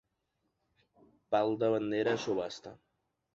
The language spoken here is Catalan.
Pal de bandera a subhasta.